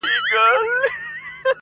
چي له سترگو څخه اوښكي راسي~